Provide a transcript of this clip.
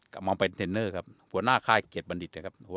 คับป้องไปทีเนอร์ครับหัวหน้าค่าเกลียดบรรดิ์นะครับหัว